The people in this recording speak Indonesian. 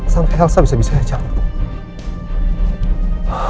sampai elsa bisa bisa jatuh